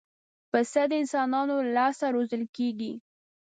پسه د انسانانو له لاسه روزل کېږي.